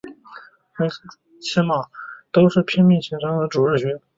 每次主日都会骑马出去拼命请街头的孩子参加主日学。